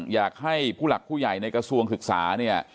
อยากให้ผู้หลักผู้ใหญ่ในกระทรวงศึกษาเนี่ย